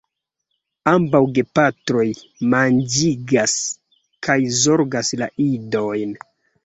Ambaŭ gepatroj manĝigas kaj zorgas la idojn.